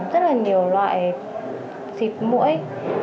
rất là nhiều loại xịt mũi